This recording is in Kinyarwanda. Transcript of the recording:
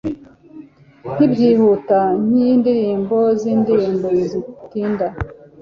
nkibyihuta, nkindirimbo zindirimbo zitinda